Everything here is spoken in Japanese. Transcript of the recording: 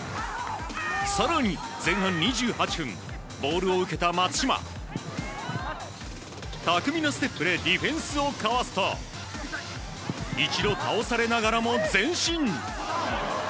更に前半２８分ボールを受けた松島巧みなステップでディフェンスをかわすと一度、倒されながらも前進。